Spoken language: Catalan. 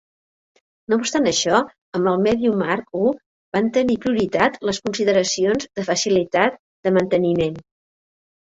No obstant això, amb el Medium Mark I van tenir prioritat les consideracions de facilitat de manteniment.